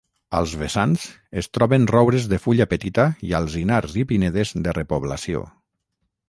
Als vessants, es troben roures de fulla petita i alzinars i pinedes de repoblació.